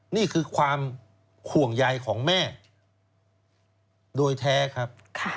นี่คือความห่วงใยของแม่โดยแท้ครับ